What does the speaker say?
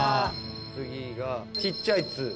次が小っちゃい「ッ」。